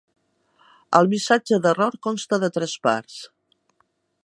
El missatge d'error consta de tres parts.